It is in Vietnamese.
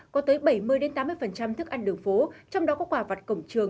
có tới bảy mươi tám mươi thức ăn đường phố trong đó có quả vặt cổng trường